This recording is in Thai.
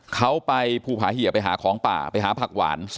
เขาไปภูผาเหยียไปหาของป่าไปหาผักหวาน